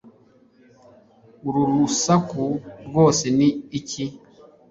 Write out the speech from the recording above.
Uru rusaku rwose ni iki